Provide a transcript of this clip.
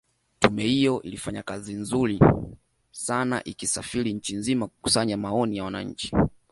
Tume hiyo ilifanya kazi nzuri sana ikisafiri nchi nzima kukusanya maoni ya wananchi